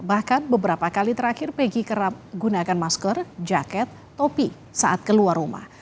bahkan beberapa kali terakhir peggy kerap gunakan masker jaket topi saat keluar rumah